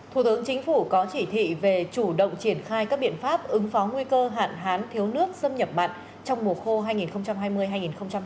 thủ tướng chính phủ có chỉ thị về chủ động triển khai các biện pháp ứng phó nguy cơ hạn hán thiếu nước xâm nhập mặn